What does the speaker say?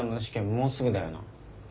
もうすぐだよな。